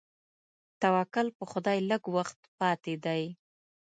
توکل په خدای لږ وخت پاتې دی.